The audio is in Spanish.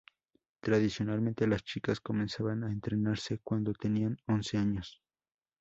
Tradicionalmente, las chicas comenzaban a entrenarse cuando tenían once años.